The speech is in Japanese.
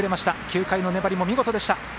９回の粘りも見事でした。